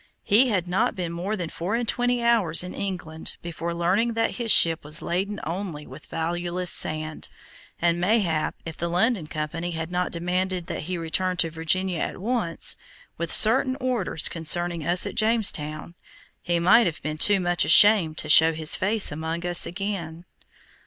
He had not been more than four and twenty hours in England before learning that his ship was laden only with valueless sand, and, mayhap, if the London Company had not demanded that he return to Virginia at once, with certain orders concerning us at Jamestown, he might have been too much ashamed to show his face among us again.